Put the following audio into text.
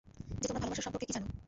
যে তোমরা ভালোবাসা সম্পর্কে কি জানো?